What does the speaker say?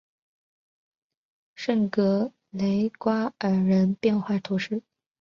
圣格雷瓜尔人口变化图示